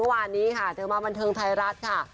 วานนี้ค่ะเธอมาบันเทิงไทยรัฐค่ะ